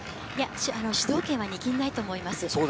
主導権は握らないと思います。